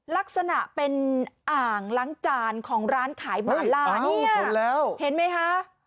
ลักษณะเป็นอ่างล้างจานของร้านขายหมาล่านี่เห็นไหมคะ